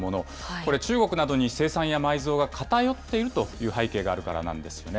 これ、中国などに生産や埋蔵が偏っているという背景があるからなんですよね。